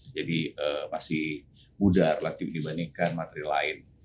jadi masih mudah relatif dibandingkan materi lain